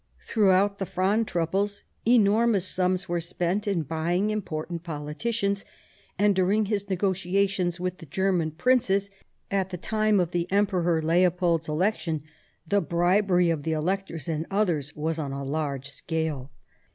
Throughout the Fronde troubles enormous sums were spent in buying important politicians, and during his negotiations with the German princes at the time of the Emperor Leopold's election, the bribery of the electors and others was on a large scale.